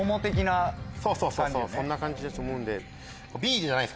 そうそうそんな感じだと思うんで。